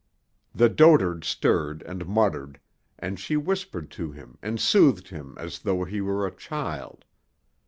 The dotard stirred and muttered, and she whispered to him and soothed him as though he were a child.